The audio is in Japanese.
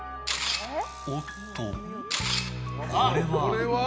おっと、これは。